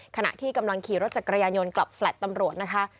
ขณะที่กำลังขี่รถจักรยานยนต์กลับแฟลต์ตำรวจนะคะ